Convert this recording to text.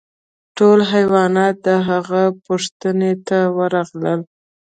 ټول حیوانات د هغه پوښتنې ته ورغلل.